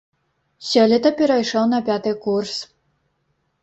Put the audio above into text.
Сёлета перайшоў на пяты курс.